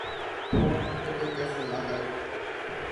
ঠোঁট ফেটে গেছে লাগাই।